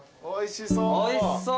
おいしそう。